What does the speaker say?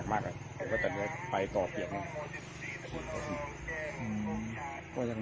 ก็ถามแฟนก็บอกว่าเพย์เปรี้ยงอะไรอยู่นะ